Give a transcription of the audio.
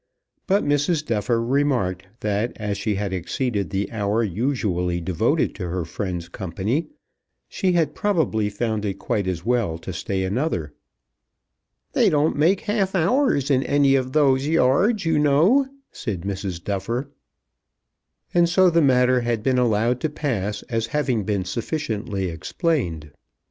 But Mrs. Duffer remarked that as she had exceeded the hour usually devoted to her friend's company she had probably found it quite as well to stay another. "They don't make half hours in any of those yards, you know," said Mrs. Duffer. And so the matter had been allowed to pass as having been sufficiently explained.